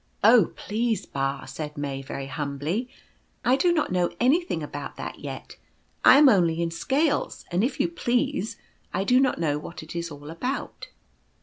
"Oh, please, Ba," said May, very humbly, "I do not know anything about that yet. I am only in scales, and, if you please, I do not know what it is all about."